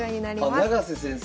あ永瀬先生。